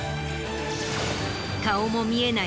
顔も見えない